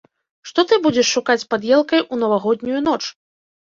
Што ты будзеш шукаць пад елкай у навагоднюю ноч?